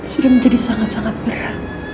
sudah menjadi sangat sangat berat